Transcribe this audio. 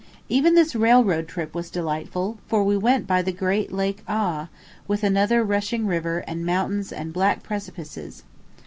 Even this railroad trip was delightful, for we went by the great Lake Awe, with another rushing river and mountains and black precipices.